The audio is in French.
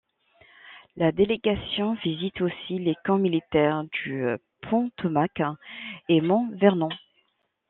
La délégation visite aussi les camps militaires du Potomac et Mount Vernon.